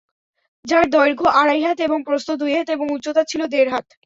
যার দৈর্ঘ্য আড়াই হাত এবং প্রস্থ দুই হাত এবং উচ্চতা ছিল দেড় হাত।